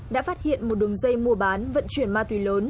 đã phát hiện một đường dây mua bán vận chuyển ma túy lớn